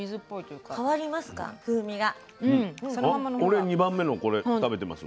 俺２番目のこれ食べてます。